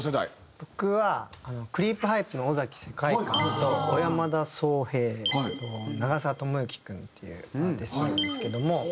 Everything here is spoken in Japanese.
僕はクリープハイプの尾崎世界観と小山田壮平長澤知之君っていうアーティストなんですけども。